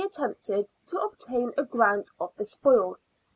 33 attempted to obtain a grant of the spoil.